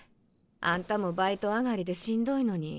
あんたもバイト上がりでしんどいのに。